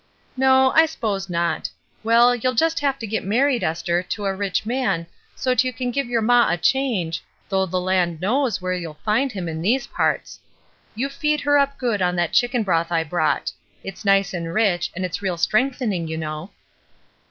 ''No, I s'pose not. Well, you'll jest have to git married, Esther, to a rich man, so't you can give your ma a change, though the land knows where you will find him in these parts. You feed her up good on that chicken broth I brought; it's nice and rich, and it's real strengthening, you know."